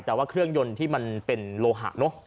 แต่ว่าเครื่องยนต์ที่มันเป็นโลหะเนอะ